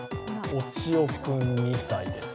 おちよ君、２歳です。